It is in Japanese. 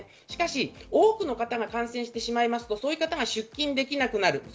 しかし多くの方が感染してしまいますと、そういう方が出勤できなくなる。